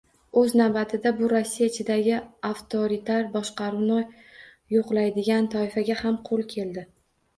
O‘z navbatida bu Rossiya ichidagi avtoritar boshqaruvni yoqlaydigan toifaga ham qo‘l keldi.